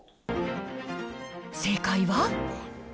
正解は？